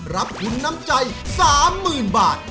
รับทุนน้ำใจ๓๐๐๐บาท